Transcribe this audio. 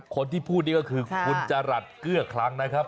คนที่พูดนี่ก็คือคุณจรัสเกื้อคลังนะครับ